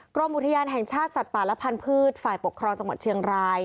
กรมอุทยานแห่งชาติสัตว์ป่าและพันธุ์ฝ่ายปกครองจังหวัดเชียงราย